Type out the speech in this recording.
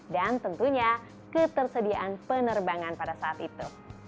dan tentunya ketersediaan penerbangan pada saat itu